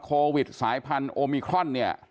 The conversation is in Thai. โควิดสายพันธุมิครอนเนี่ย